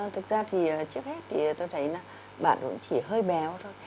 thực ra trước hết tôi thấy bạn chỉ hơi béo thôi